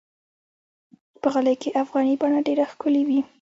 په غالۍ کې افغاني بڼه ډېره ښکلي وي.